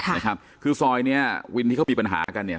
นะครับคือซอยเนี้ยวินที่เขามีปัญหากันเนี่ย